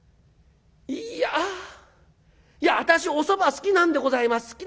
「いやいや私おそば好きなんでございます。